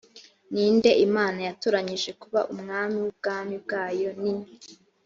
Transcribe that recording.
ni nde imana yatoranyirije kuba umwami w ubwami bwayo ni